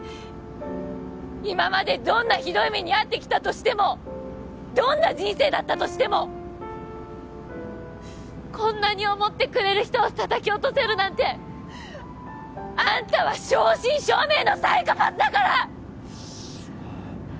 今までどんなひどい目に遭ってきたとしてもどんな人生だったとしてもこんなに思ってくれる人を叩き落とせるなんてあんたは正真正銘のサイコパスだから！